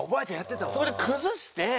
そこで崩して。